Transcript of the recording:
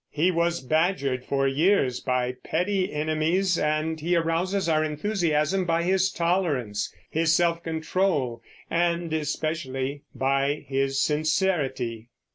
He was badgered for years by petty enemies, and he arouses our enthusiasm by his tolerance, his self control, and especially by his sincerity.